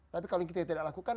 tapi kalau yang kita tidak lakukan